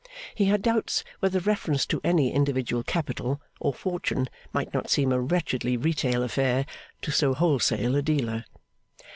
He had doubts whether reference to any individual capital, or fortune, might not seem a wretchedly retail affair to so wholesale a dealer.